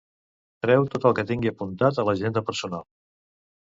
Treu tot el que tingui apuntat a l'agenda personal.